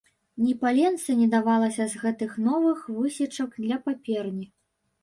Ні паленца не давалася з гэтых новых высечак для паперні.